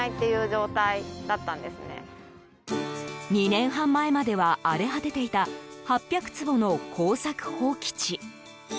２年半前までは荒れ果てていた８００坪の耕作放棄地。